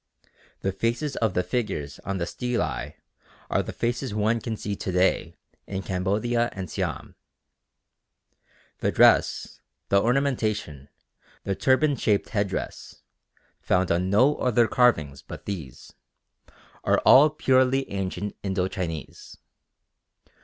The faces of the figures on the stelae are the faces one can see to day in Cambodia and Siam. The dress, the ornamentation, the turban shaped headdress (found on no other carvings but these) are all purely ancient Indo Chinese.